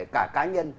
cả cá nhân